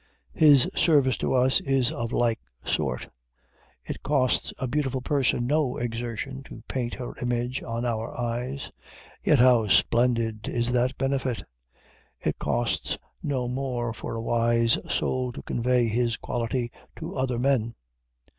His service to us is of like sort. It costs a beautiful person no exertion to paint her image on our eyes; yet how splendid is that benefit! It costs no more for a wise soul to convey his quality to other men.